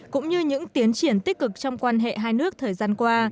cũng như những tiến triển tích cực trong quan hệ hai nước thời gian qua